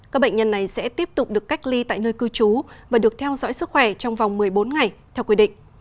các bệnh nhân này sẽ tiếp tục được cách ly tại nơi cư trú và được theo dõi sức khỏe trong vòng một mươi bốn ngày theo quy định